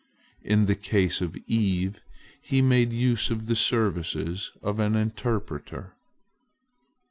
In the case of Eve, He made use of the services of an interpreter.